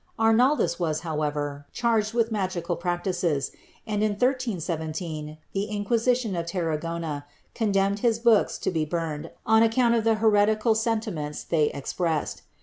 Arnaldus was, however, charged with magical practises, and in 13 17 the Inquisition of Tarragona condemned his books to be burned on account of the heretical sentiments they expressed.